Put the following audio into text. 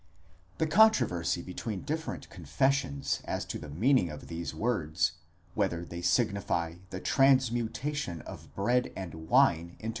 The controversy between the different confessions as to the meaning of these words,—whether they signify a transmutation of bread and wine into